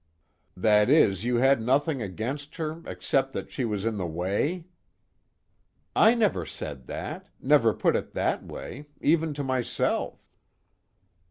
"That is, you had nothing against her except that she was in the way?" "I never said that never put it that way, even to myself."